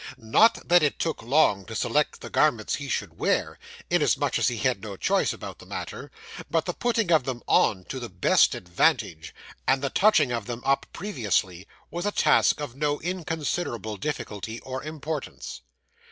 Not that it took long to select the garments he should wear, inasmuch as he had no choice about the matter; but the putting of them on to the best advantage, and the touching of them up previously, was a task of no inconsiderable difficulty or importance.